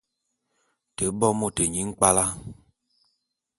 Te bo môt nyi nkpwala.